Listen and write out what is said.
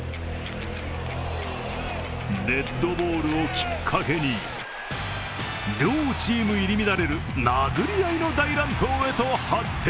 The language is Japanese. デッドボールをきっかけに両チーム入り乱れる殴り合いの大乱闘へと発展。